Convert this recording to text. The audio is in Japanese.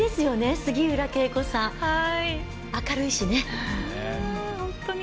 杉浦佳子さん、明るいし。